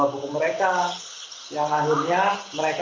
itu sama sekali nggak ada listrik